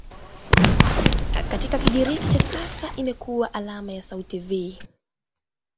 Katika Kigiriki cha kisasa imekuwa alama ya sauti "V".